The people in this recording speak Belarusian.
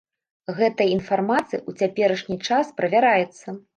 Гэтая інфармацыя ў цяперашні час правяраецца.